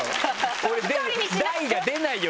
俺大が出ないよ